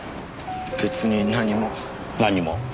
別に何も。何も？